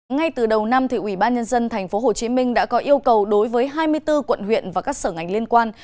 ngay từ đầu năm ủy ban nhân dân tp hcm đã có yêu cầu đối với hai mươi bốn quận huyện và các sở ngành liên quan